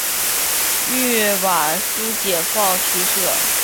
豫皖苏解放区设。